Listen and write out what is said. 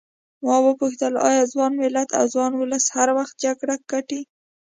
ما وپوښتل ایا ځوان ملت او ځوان ولس هر وخت جګړه ګټي.